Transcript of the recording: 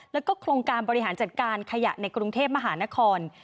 แล้วก็โครงการบริหารจัดการขยะในกรุงเทพมหานคร